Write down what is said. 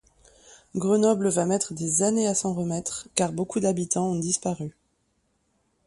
Grenoble va mettre des années à s'en remettre car beaucoup d'habitants ont disparu.